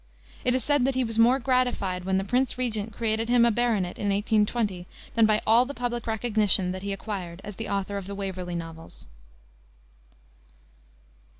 It is said that he was more gratified when the Prince Regent created him a baronet, in 1820, than by all the public recognition that he acquired as the author of the Waverley Novels.